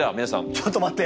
ちょっと待って！